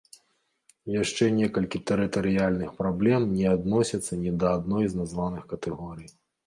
Яшчэ некалькі тэрытарыяльных праблем не адносяцца ні да адной з названых катэгорый.